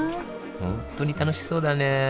本当に楽しそうだね